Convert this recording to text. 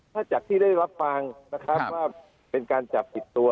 ถ้าจากที่ได้รับฟังนะครับว่าเป็นการจับผิดตัว